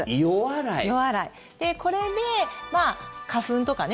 これで花粉とかね